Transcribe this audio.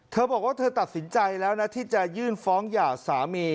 เธอบอกว่าเธอตัดสินใจแล้วนะที่จะยื่นฟ้องหย่าสามี